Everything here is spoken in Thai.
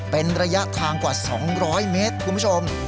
เป็นระยะทางกว่า๒๐๐เมตรคุณผู้ชม